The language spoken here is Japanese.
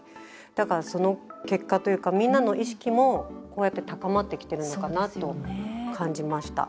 だから、その結果というかみんなの意識も、こうやって高まってきているのかなと感じました。